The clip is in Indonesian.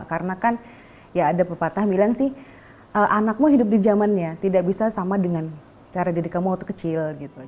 karena kan ya ada pepatah bilang sih anakmu hidup di zamannya tidak bisa sama dengan cara diri kamu waktu kecil gitu